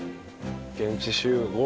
現地集合。